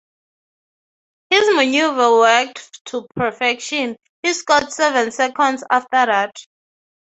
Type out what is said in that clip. His maneuver worked to perfection: He scored seven seconds after that.